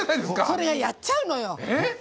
それがやっちゃうのよ。